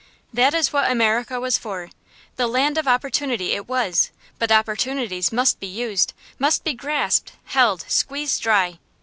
That is what America was for. The land of opportunity it was, but opportunities must be used, must be grasped, held, squeezed dry.